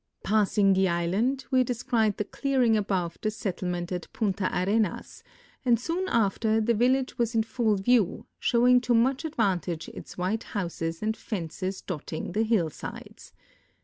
Passing the island, Ave descried the clearing above the settlement at Punta Arenas, and soon after the A^illage was in full vieAV, showing to much adA'^antage its Avhite houses and fences dotting the hillsides.